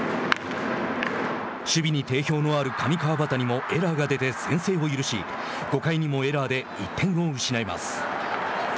守備に定評のある上川畑にもエラーが出て先制を許し５回にもエラーで１点を失います。